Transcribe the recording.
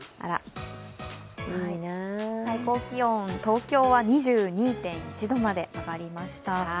最高気温、東京は２２．１度まで上がりました。